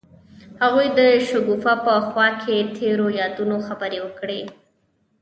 هغوی د شګوفه په خوا کې تیرو یادونو خبرې کړې.